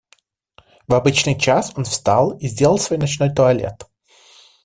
В обычный час он встал и сделал свой ночной туалет.